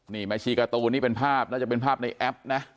นี่แม่ชีการ์ตูนนี่เป็นภาพน่าจะเป็นภาพในแอปนะ